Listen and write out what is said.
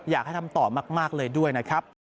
อยากให้ทำต่อมากเลยด้วยนะครับ